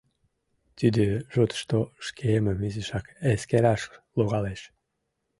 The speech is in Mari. Тиде шотышто шкемым изишак эскераш логалеш.